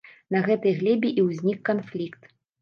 На гэтай глебе і ўзнік канфлікт.